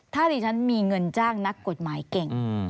ถ้าดิฉันมีเงินจ้างนักกฎหมายเก่ง